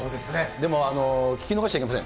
でも、聞き逃しちゃいけません。